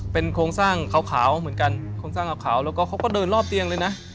เป็นโครงสร้างขาวเหมือนกันโครงสร้างขาวแล้วก็เขาก็เดินรอบเตียงเลยนะ